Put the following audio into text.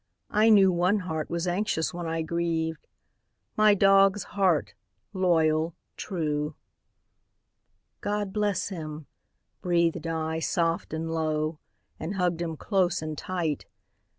I knew One heart was anxious when I grieved My dog's heart, loyal, true. "God bless him," breathed I soft and low, And hugged him close and tight.